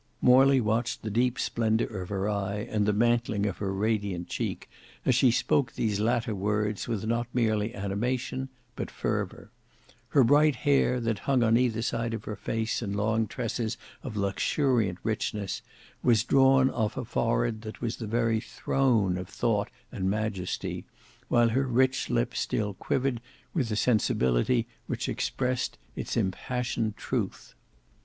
Morley watched the deep splendour of her eye and the mantling of her radiant cheek, as she spoke these latter words with not merely animation but fervour. Her bright hair, that hung on either side her face in long tresses of luxuriant richness, was drawn off a forehead that was the very throne of thought and majesty, while her rich lip still quivered with the sensibility which expressed its impassioned truth.